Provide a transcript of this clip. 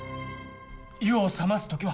湯を冷ます時は？